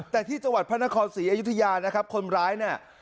แต่ที่จังหวัดพระนครศรีอยุธยานะครับคนร้ายเนี่ย